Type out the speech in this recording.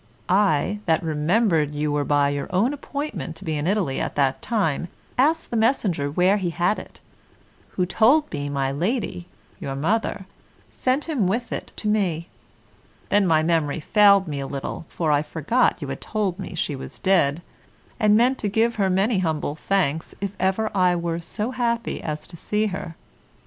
I, that remembered you were by your own appointment to be in Italy at that time, asked the messenger where he had it, who told me my lady, your mother, sent him with it to me; then my memory failed me a little, for I forgot you had told me she was dead, and meant to give her many humble thanks if ever I were so happy as to see her.